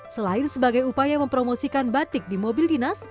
selain sebagai upaya mempromosikan batik di mobil dinas